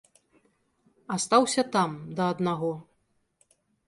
Астаўся там, да аднаго.